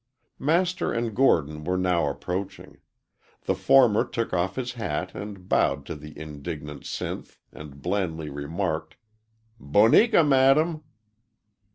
Master and Gordon were now approaching. The former took off his hat and bowed to the indignant Sinth and blandly remarked, "Boneka, madam."